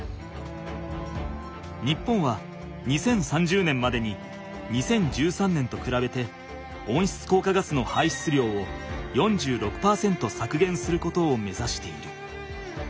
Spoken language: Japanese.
日本は２０３０年までに２０１３年とくらべて温室効果ガスの排出量を４６％さくげんすることを目指している。